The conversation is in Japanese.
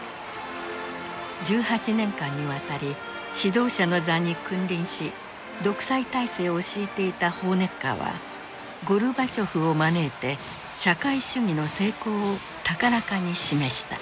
１８年間にわたり指導者の座に君臨し独裁体制を敷いていたホーネッカーはゴルバチョフを招いて社会主義の成功を高らかに示した。